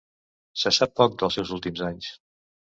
Se sap poc dels seus últims anys.